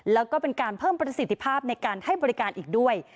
แล้วก็เป็นการเพิ่มประสิทธิภาพในการให้บริการอีกด้วย